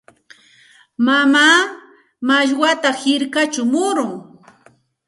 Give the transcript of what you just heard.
Mamaa mashwata hirkachaw murun.